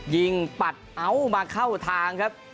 ปัดเอามาเข้าทางครับ